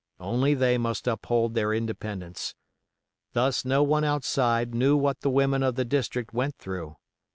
Only they must uphold their independence. Thus no one outside knew what the women of the district went through.